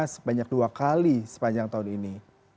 sebanyak dua kali sepanjang tahun ini